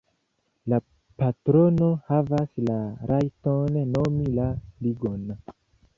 La patrono havas la rajton nomi la ligon.